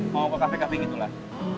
mau ke kafe kafe gitu lah